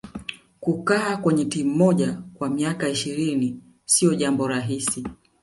kukaa kwenye timu moja kwa miaka ishirini siyo jambo rahisi